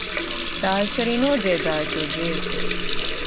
Tā es arī nodziedāju to dziesmu.